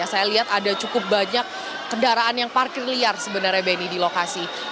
saya lihat ada cukup banyak kendaraan yang parkir liar sebenarnya benny di lokasi